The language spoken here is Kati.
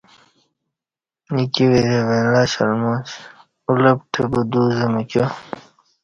ا ایکی ورے ولہّ شلماچ ا لپ ٹہ بدو زہ میکیا